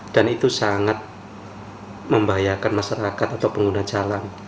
dan itu sangat membahayakan masyarakat atau pengguna jalan